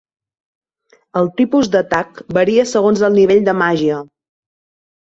El tipus d'atac varia segons el nivell de màgia.